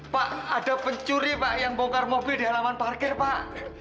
pak ada pencuri pak yang bongkar mobil di halaman parkir pak